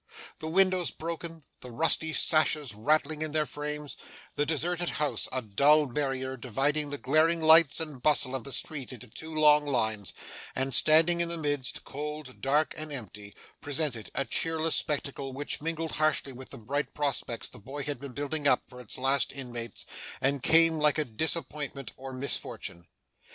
The windows broken, the rusty sashes rattling in their frames, the deserted house a dull barrier dividing the glaring lights and bustle of the street into two long lines, and standing in the midst, cold, dark, and empty presented a cheerless spectacle which mingled harshly with the bright prospects the boy had been building up for its late inmates, and came like a disappointment or misfortune.